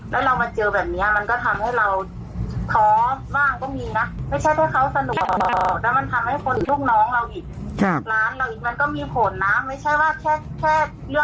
มันไม่ได้มันทำให้เรางานเราก็แบบแบบก็ความรู้สึกเรากันเนอะ